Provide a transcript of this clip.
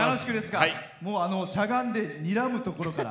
しゃがんでにらむところから。